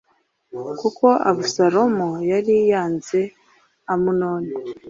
kuko Abusalomu yari yanze Amunoni